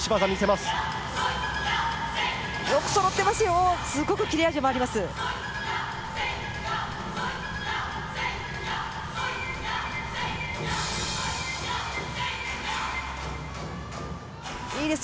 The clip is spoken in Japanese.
すごく切れ味もあります。